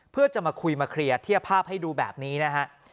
เพื่อจะมาคุยมาเคลียร์เทียบภาพให้ดูแบบนี้นะฮะ